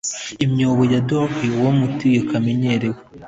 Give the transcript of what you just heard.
imyobo ya dodgy, uwo mutego umenyerewe